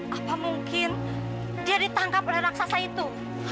apa mungkin dia ditangkap oleh raksasa itu